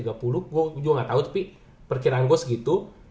gue gak tau tapi perkiraan gue segitu